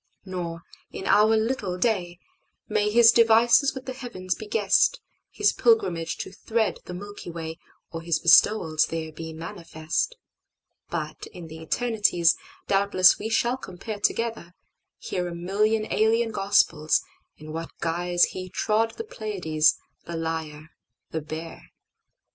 Nor, in our little day, May His devices with the heavens be guessed, His pilgrimage to thread the Milky WayOr His bestowals there be manifest. But in the eternities, Doubtless we shall compare together, hearA million alien Gospels, in what guiseHe trod the Pleiades, the Lyre, the Bear.